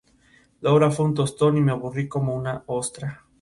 Desarrolló gran parte de su actividad en China.